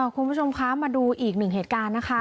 คุณผู้ชมคะมาดูอีกหนึ่งเหตุการณ์นะคะ